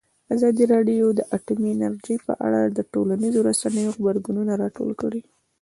ازادي راډیو د اټومي انرژي په اړه د ټولنیزو رسنیو غبرګونونه راټول کړي.